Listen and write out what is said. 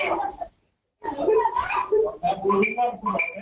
โอเคโอเค